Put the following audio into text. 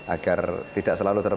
agar tidak selalu terbatas